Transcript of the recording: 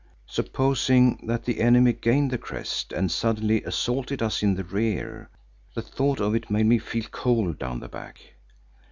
Supposing that the enemy gained the crest and suddenly assaulted us in the rear! The thought of it made me feel cold down the back.